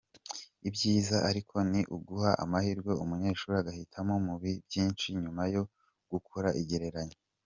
Ibyiza ariko ni uguha amahirwe umunyeshuri agahitamo mu bintu byinshi nyuma yo gukora igereranya.